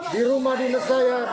di rumah dinas saya